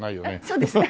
そうですね。